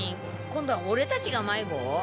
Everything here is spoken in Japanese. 今度はオレたちが迷子？